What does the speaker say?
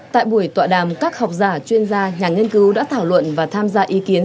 tại buổi tọa đàm các học giả chuyên gia nhà nghiên cứu đã thảo luận và tham gia ý kiến